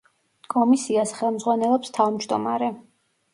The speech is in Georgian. კომისიას ხელმძღვანელობს თავმჯდომარე.